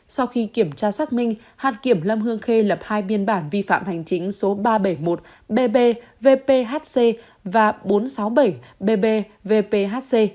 sau khi kiểm tra xác minh hạt kiểm lâm hương khê lập hai biên bản vi phạm hành chính số ba trăm bảy mươi một bbvphc và bốn trăm sáu mươi bảy bbvphc